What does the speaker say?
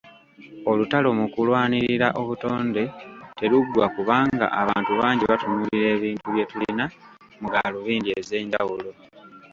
Olutalo mukulwanirira obutonde teruliggwa kubanga abantu bangi batunuulira ebintu byetulina mugalubindi ez'enjawulo.